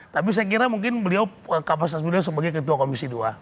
tapi saya kira mungkin beliau kapasitas beliau sebagai ketua komisi dua